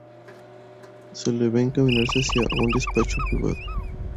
Se le ve encaminarse hacia un despacho privado.